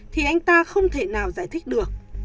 thì anh ta không thể nào giải thích được